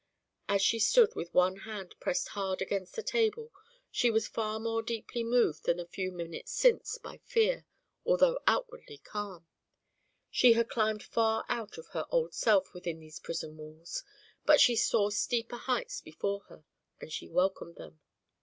As she stood with one hand pressed hard against the table she was far more deeply moved than a few moments since by fear, although outwardly calm. She had climbed far out of her old self within these prison walls, but she saw steeper heights before her, and she welcomed them.